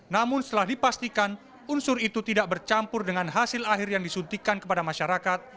namun setelah dipastikan unsur itu tidak bercampur dengan hasil akhir yang disuntikan kepada masyarakat